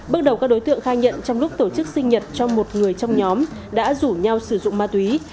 bước đầu các đối tượng khai nhận trong lúc tổ chức sinh nhật cho một người trong nhóm đã rủ nhau sử dụng ma túy